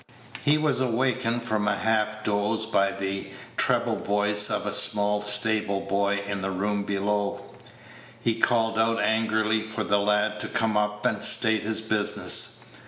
He was awakened from a half doze by the treble voice of a small stable boy in the room below. He called out angrily for the lad to come up and state his business.